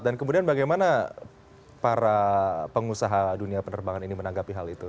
dan kemudian bagaimana para pengusaha dunia penerbangan ini menanggapi hal itu